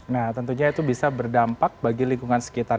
nah tentunya itu bisa berdampak bagi lingkungan sekitar